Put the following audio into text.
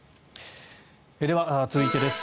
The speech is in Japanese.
では、続いてです。